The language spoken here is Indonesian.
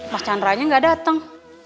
mas chandra nya gak datang